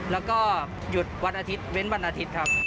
แล้วก็หยุดวันอาทิตย์เว้นวันอาทิตย์ครับ